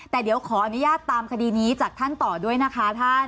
แต่เดี๋ยวขออนุญาตตามคดีนี้จากท่านต่อด้วยนะคะท่าน